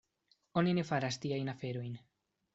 Oni ne faras tiajn aferojn.